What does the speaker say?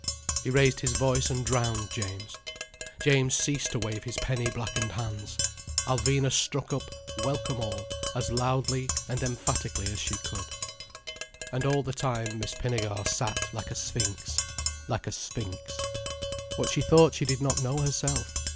He raised his voice and drowned James. James ceased to wave his penny blackened hands, Alvina struck up "Welcome All" as loudly and emphatically as she could. And all the time Miss Pinnegar sat like a sphinx—like a sphinx. What she thought she did not know herself.